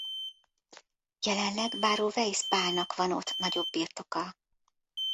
Jelenleg báró Weisz Pálnak van ott nagyobb birtoka.